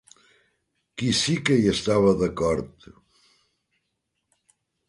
Qui sí que hi estava d'acord?